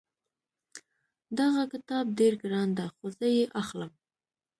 دغه کتاب ډېر ګران ده خو زه یې اخلم